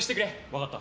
分かった。